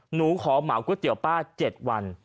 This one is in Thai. หนูขอเหมาก๋วยเตี๋ยวป้า๗วัน